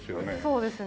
そうですね。